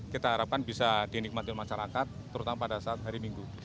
kita harapkan bisa dinikmati oleh masyarakat terutama pada saat hari minggu